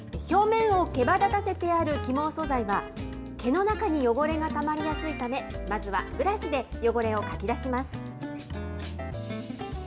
表面をけばだたせてある起毛素材は、毛の中に汚れがたまりやすいため、まずは、ブラシで汚れをかき出します。